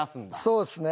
そうですね。